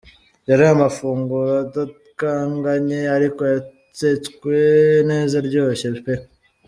Yari amafunguro adakanganye ariko yatsetswe neza aryoshye pe.